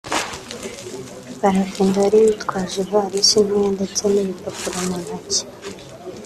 Barafinda wari witwaje ivarisi ntoya ndetse n’ibipapuro mu ntoki